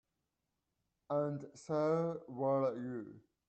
And so will you.